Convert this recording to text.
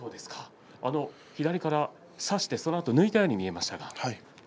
左から差して、そのあと抜いたように見えましたが。